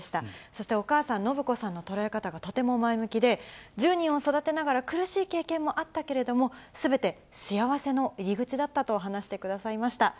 そしてお母さん、信子さんの捉え方がとても前向きで、１０人を育てながら、苦しい経験もあったけれども、すべて幸せの入り口だったと話してくださいました。